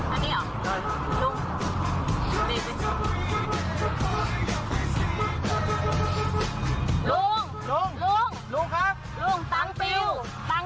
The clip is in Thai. ตรงรอบเซอร์ดำอ่ะ